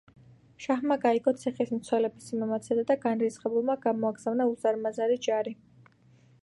შაჰმა გაიგო ციხის მცველების სიმამაცეზე და განრისხებულმა გამოაგზავნა უზარმაზარი ჯარი.